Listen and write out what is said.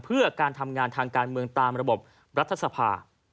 เพื่อการทำงานทางการเมืองตามระบบรัฐสภา